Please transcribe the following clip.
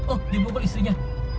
oh dihantar istrinya